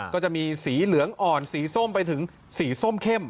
ก็จะมีสีเหลืองอ่อนสีส้มไปถึงสีส้มเข้ม